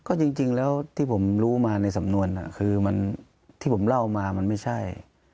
ก็จริงแล้วที่ผมรู้มาในสำนวนคือที่ผมเล่ามามันไม่ใช่